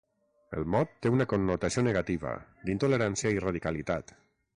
El mot té una connotació negativa, d'intolerància i radicalitat.